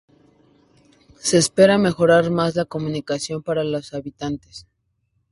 Se espera mejorar más la comunicación para los habitantes.